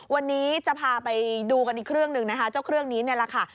วันนี้จะพาไปดูกันอีกเครื่องหนึ่งนะคะเจ้าเครื่องนี้นี่แหละค่ะ